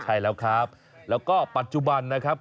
ใช่แล้วครับแล้วก็ปัจจุบันนะครับ